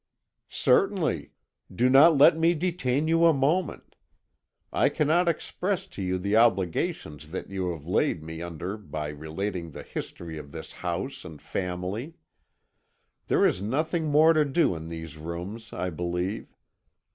"Certainly; do not let me detain you a moment. I cannot express to you the obligations you have laid me under by relating the history of this house and family. There is nothing more to do in these rooms, I believe.